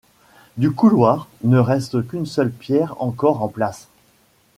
Du couloir, ne reste qu'une seule pierre encore en place.